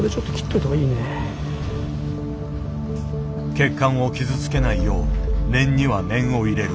血管を傷つけないよう念には念を入れる。